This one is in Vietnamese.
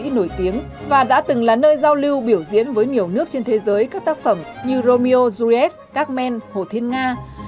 nhà hát opera hoàng gia versailles là một trong những nhà hát nổi tiếng và đã từng là nơi giao lưu biểu diễn với nhiều nước trên thế giới các tác phẩm như romeo juliet carmen hồ thiên nga